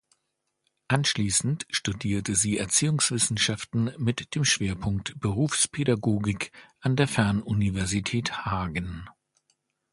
Anschließend studierte sie Erziehungswissenschaften mit dem Schwerpunkt Berufspädagogik an der Fernuniversität Hagen.